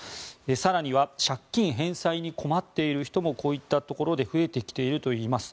更には借金返済に困っている人もこういったところで増えてきているといいます。